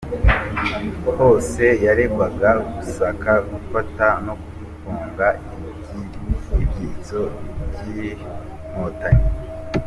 Hose yaregwaga gusaka, gufata no gufunga ibyitso by’inkotanyi.